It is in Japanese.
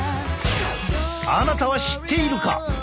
あなたは知っているか？